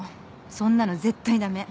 そんなの絶対駄目。